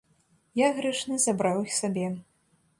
Я, грэшны, забраў іх сабе.